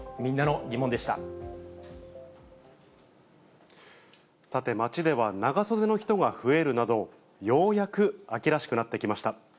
以上、さて、街では長袖の人が増えるなど、ようやく秋らしくなってきました。